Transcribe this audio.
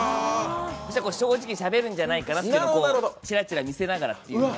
正直しゃべるんじゃないかなっていうのをチラチラ見せながらっていう。